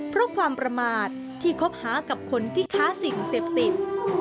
เพราะความประมาทที่คบหากับคนที่ค้าสิ่งเสพติด